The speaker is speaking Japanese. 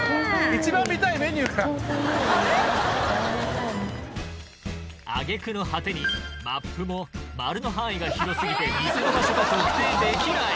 一番見たいメニューが揚げ句の果てにマップも丸の範囲が広すぎて店の場所が特定できない！